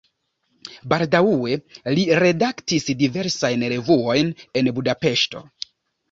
Baldaŭe li redaktis diversajn revuojn en Budapeŝto.